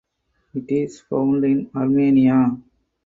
It is found in Armenia.